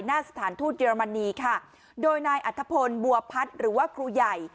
หน้าสถานทูตเยอรมนีค่ะโดยนายอัธพลบัวพัฒน์หรือว่าครูใหญ่